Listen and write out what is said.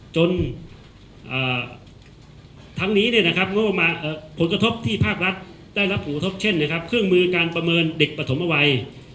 จนทั้งนี้ผลกระทบที่ภาครัฐได้รับผลกระทบเช่นเครื่องมือการประเมินเด็กปฐมเอาไว้